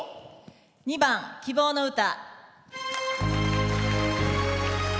２番「希望の歌」。